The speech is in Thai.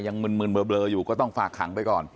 ยังเมลิสึนอยู่ก็ต้องฝากขังไปก่อน